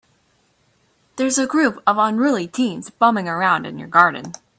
There's a group of unruly teens bumming around in your garden.